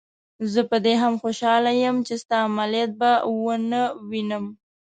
زه په دې هم خوشحاله یم چې ستا عملیات به ونه وینم.